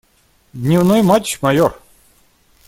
Дневной матч, майор.